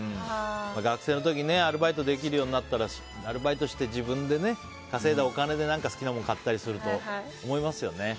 学生の時ねアルバイトできるようになったらアルバイトして自分で稼いだお金で何か好きなものを買ったりすると思いますよね。